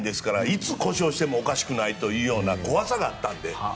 いつ故障してもおかしくないというような怖さがあったので。